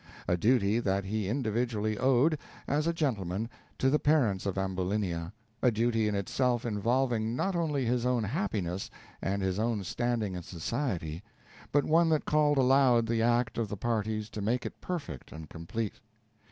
A duty that he individually owed, as a gentleman, to the parents of Ambulinia, a duty in itself involving not only his own happiness and his own standing in society, but one that called aloud the act of the parties to make it perfect and complete.